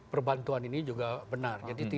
perbantuan ini juga benar